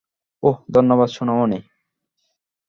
ওহ, ধন্যবাদ, সোনামণি।